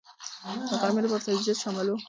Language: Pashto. د غرمې لپاره سبزيجات شامل وو.